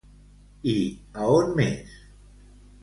I a on més?